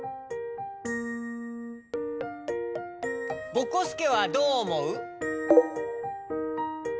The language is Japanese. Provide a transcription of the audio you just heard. ぼこすけはどうおもう？